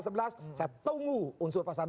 saya tunggu unsur pasal dua belas